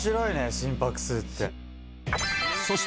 心拍数って。